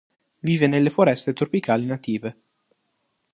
Vive nelle foreste tropicali native.